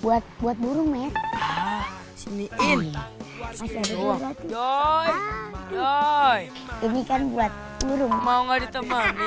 buat buat burung ya sini ini kan buat burung mau nggak ditemani